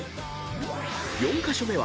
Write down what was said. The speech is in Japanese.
［４カ所目は］